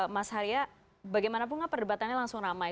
mas haria bagaimanapun perdebatannya langsung ramai